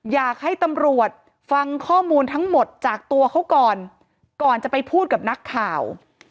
อยากให้ตำรวจฟังข้อมูลทั้งหมดจากตัวเขาก่อนก่อนจะไปพูดกับนักข่าว